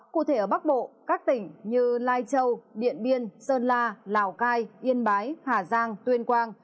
cụ thể ở bắc bộ các tỉnh như lai châu điện biên sơn la lào cai yên bái hà giang tuyên quang